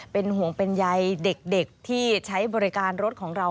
เป็นห่วงเป็นใยเด็กที่ใช้บริการรถของเรา